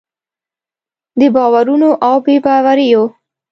د باورونو او بې باوریو